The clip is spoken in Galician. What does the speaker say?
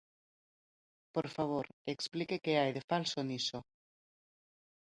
Por favor, explique que hai de falso niso.